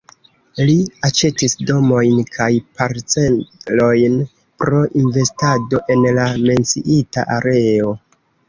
Li aĉetis domojn kaj parcelojn pro investado en la menciita areo.